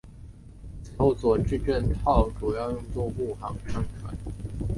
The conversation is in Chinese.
此后佐治镇号主要用作护航商船。